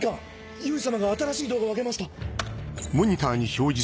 由衣様が新しい動画を上げました。